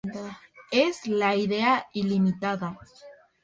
Es la idea ilimitada.